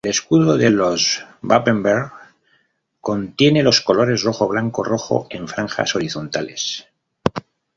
El escudo de los Babenberg contiene los colores rojo-blanco-rojo en franjas horizontales.